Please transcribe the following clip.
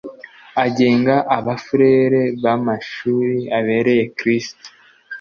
agenga Abafurere b Amashuri abereye Kristu